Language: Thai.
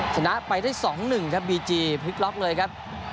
ชนะไปได้๒๑ครับบีจีพลิกล็อกเลยครับ